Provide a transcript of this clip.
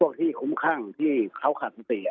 พวกที่คุ้มข้างที่เค้าขาดสติ